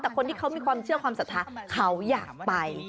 แต่คนที่เขามีความเชื่อความศรัทธาเขาอยากไป